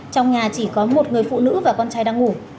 trong nhà chỉ có một người phụ nữ và con trai đang ngủ